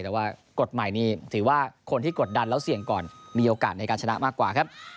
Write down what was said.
แต่ว่ากฎใหม่นี้ถือว่าคนที่กดดันแล้วเสี่ยงก่อนมีโอกาสในการชนะมากกว่าครับ